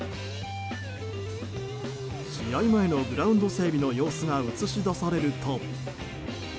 試合前のグラウンド整備の様子が映し出されると。